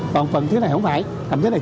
còn phần thứ này không phải cầm thứ này